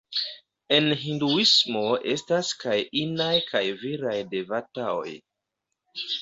En Hinduismo estas kaj inaj kaj viraj devata-oj.